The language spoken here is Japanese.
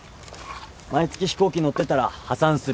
毎月飛行機乗ってたら破産する。